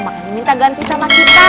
makanya minta ganti sama kita